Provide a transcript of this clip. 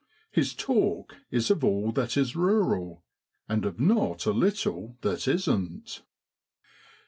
His talk is of all that is rural, and of not a little that isn't.